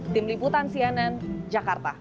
tim liputan cnn jakarta